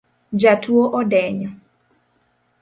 Jatuo odenyo